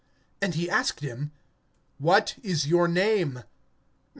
(9)And he asked him: What is thy name?